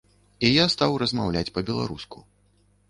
І я стаў размаўляць па-беларуску.